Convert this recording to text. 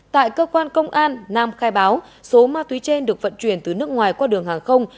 tại cơ quan công an nam khai báo số ma túy trên được vận chuyển từ nước ngoài qua đường hàng không